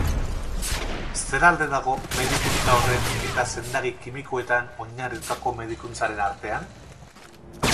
Zer alde dago medikuntza horren eta sendagai kimikoetan oinarritutako medikuntzaren artean?